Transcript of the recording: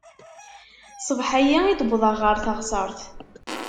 Ṣṣbeḥ-ayi i d-wwḍeɣ ɣer teɣsert.